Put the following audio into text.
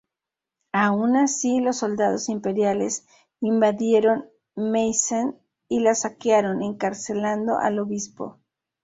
Aun así, los soldados imperiales invadieron Meissen y la saquearon, encarcelando al obispo.